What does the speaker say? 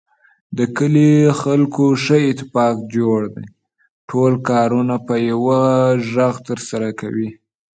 د کلي خلکو ښه اتفاق جوړ دی. ټول کارونه په یوه غږ ترسره کوي.